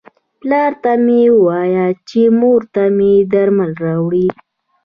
پلار ته مې وایه چې مور ته مې درمل راوړي.